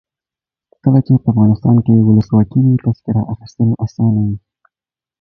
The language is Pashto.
کله چې افغانستان کې ولسواکي وي تذکره اخیستل اسانه وي.